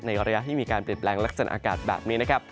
ระยะที่มีการเปลี่ยนแปลงลักษณะอากาศแบบนี้นะครับ